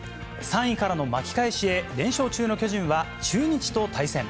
３位からの巻き返しへ、連勝中の巨人は、中日と対戦。